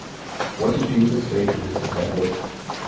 What did Jesus say to his disciples